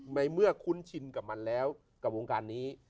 ในเมื่อคุ้นชินกับมันแล้วกับวงการนี้